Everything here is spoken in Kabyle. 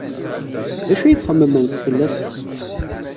D acu ay txemmememt fell-as?